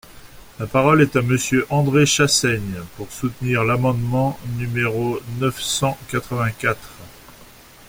La parole est à Monsieur André Chassaigne, pour soutenir l’amendement numéro neuf cent quatre-vingt-quatre.